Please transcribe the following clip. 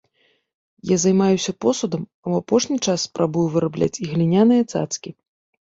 Я займаюся посудам, а ў апошні час спрабую вырабляць і гліняныя цацкі.